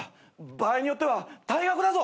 場合によっては退学だぞ！